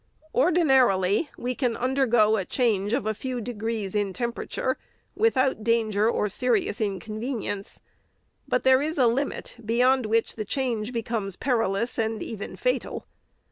Ordinarily, we can undergo a change of a few degrees in temperature, without danger or serious inconvenience ; but there is a limit, beyond which the change becomes perilous and even fatal.